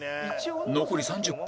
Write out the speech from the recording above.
残り３０分